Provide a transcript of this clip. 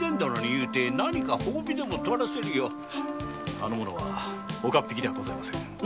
あの者は岡っ引ではありません。